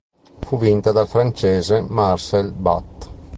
Fu vinta dal francese Marcel Bat.